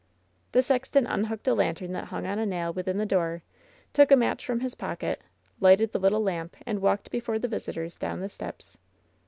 , The sexton unhooked a lantern that hung on a nail within the door, took a match from his pocket, lighted the little lamp and walked before the visitors down the steps.